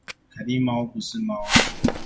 凱蒂貓不是貓